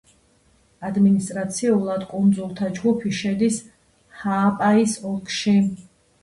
ადმინისტრაციულად კუნძულთა ჯგუფი შედის ჰააპაის ოლქში.